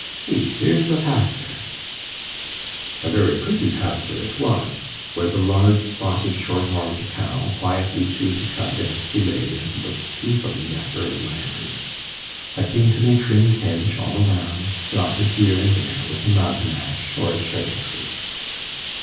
See, here's the pastur.' A very pretty pasture it was, where the large spotted short horned cow quietly chewed the cud as she lay and looked sleepily at her admirers a daintily trimmed hedge all round, dotted here and there with a mountain ash or a cherry tree.